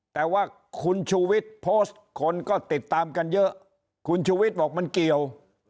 แต่ว่าคุณชุวิตคนก็ติดตามกันเยอะคุณชุวิตบอกมันเกี่ยว